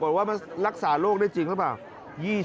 ก็ได้ที่ตรวจสอบก่อนว่ารักษาโรคได้จริงหรือเปล่า